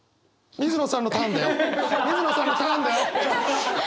水野さんのターンだよ。